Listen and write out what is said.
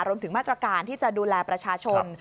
รวมถึงมาตรการที่จะดูแลประชาชน